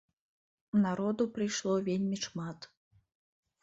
Народу прыйшло вельмі шмат.